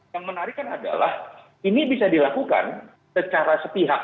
yang menarik adalah ini bisa dilakukan secara setihak